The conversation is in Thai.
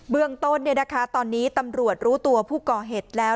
เบื้องต้นตอนนี้ตำรวจรู้ตัวผู้ก่อเหตุแล้ว